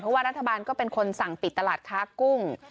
เพราะว่ารัฐบาลก็เป็นคนสั่งปิดตลาดค้ากุ้ง